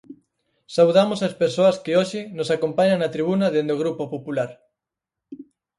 Saudamos as persoas que hoxe nos acompañan na tribuna dende o Grupo Popular.